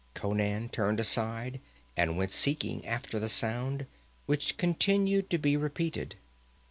Conan turned aside and went seeking after the sound, which continued to be repeated.